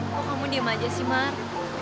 kok kamu diem aja sih mar